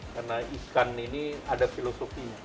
karena ikan ini ada filosofinya